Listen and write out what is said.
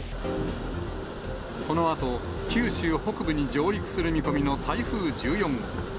このあと、九州北部に上陸する見込みの台風１４号。